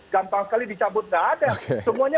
gampang sekali dicabut nggak ada semuanya